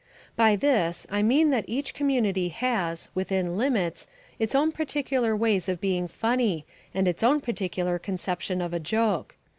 By this I mean that each community has, within limits, its own particular ways of being funny and its own particular conception of a joke.